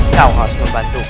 kau harus membantuku